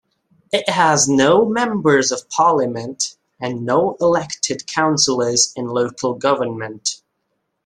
It has no members of parliament and no elected councillors in local government.